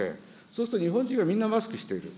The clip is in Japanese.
そうすると、日本人がみんなマスクしている。